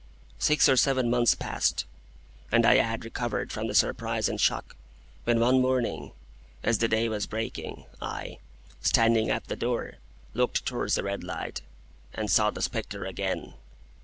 Six or seven months passed, and I had recovered from the surprise and shock, when one morning, as the day was breaking, I, standing at the door, looked towards the red light, and saw the spectre again."